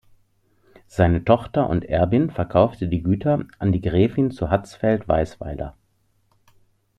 Seine Tochter und Erbin verkaufte die Güter an die Gräfin zu Hatzfeld-Weisweiler.